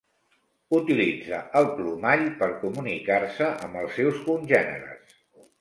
Utilitza el plomall per comunicar-se amb els seus congèneres.